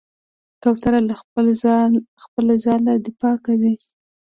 کوتره له خپل ځاله دفاع کوي.